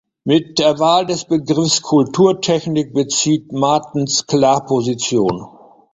Mit der Wahl des Begriffs Kulturtechnik bezieht Martens klar Position.